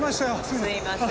すいません。